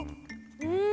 うん！